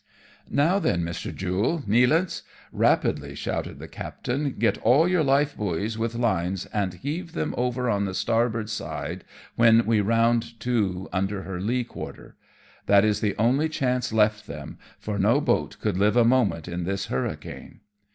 " Now then, Mr. Jule, Nealance," rapidly shouted the captain, " get all your life buoys with lines and heave them over on the starboard side when we round to under her lee quarter. That is the only chance left them, for no boat could live a moment in this hurri cane."